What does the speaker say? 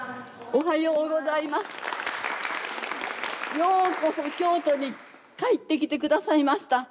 ようこそ京都に帰ってきて下さいました。